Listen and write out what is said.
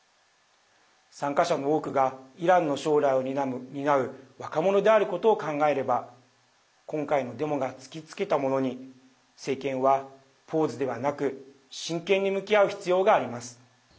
参加者の多くがイランの将来を担う若者であることを考えれば今回のデモが突きつけたものに政権は、ポーズではなく真剣に向き合う必要があります。